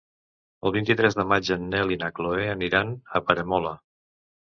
El vint-i-tres de maig en Nel i na Chloé aniran a Peramola.